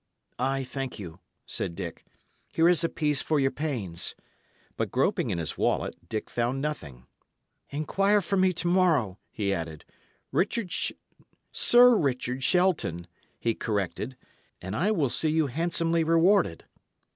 "I thank you," said Dick. "Here is a piece for your pains." But groping in his wallet, Dick found nothing. "Inquire for me to morrow," he added "Richard Shelt Sir Richard Shelton," he corrected, "and I will see you handsomely rewarded."